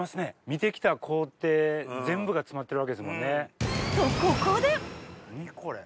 見て来た工程全部が詰まってるわけですもんね。とここで何これ？